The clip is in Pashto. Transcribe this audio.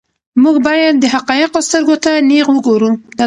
موږ باید د حقایقو سترګو ته نیغ وګورو.